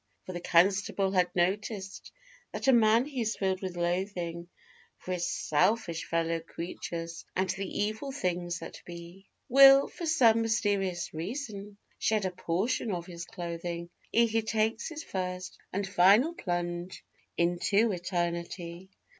For the constable had noticed that a man who's filled with loathing For his selfish fellow creatures and the evil things that be, Will, for some mysterious reason, shed a portion of his clothing, Ere he takes his first and final plunge into eternity.